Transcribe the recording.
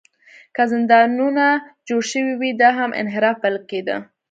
که زندانونه جوړ شوي وي، دا هم انحراف بلل کېده.